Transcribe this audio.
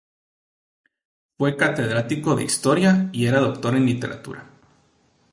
Fue catedrático de Historia y era doctor en Literatura.